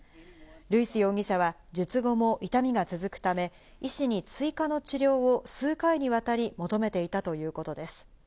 ルイス容疑者は術後も痛みが続くため、医師に追加の治療を数回にわたり求めていたということです。